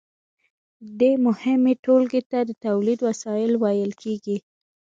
دې مهمې ټولګې ته د تولید وسایل ویل کیږي.